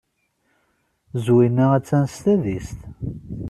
Zwina attan s tadist.